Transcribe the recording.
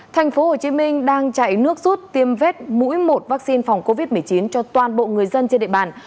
thành phố hồ chí minh đang chạy nước rút tiêm vết mũi một vaccine phòng covid một mươi chín cho toàn bộ người dân trên địa bàn